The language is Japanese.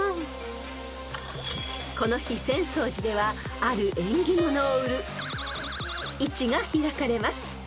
［この日浅草寺ではある縁起物を売る市が開かれます］